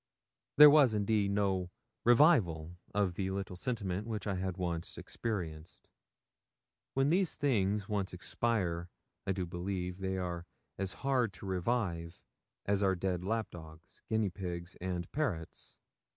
There was, indeed, no revival of the little sentiment which I had once experienced. When these things once expire, I do believe they are as hard to revive as our dead lap dogs, guinea pigs, and parrots.